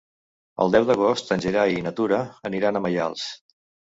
El deu d'agost en Gerai i na Tura aniran a Maials.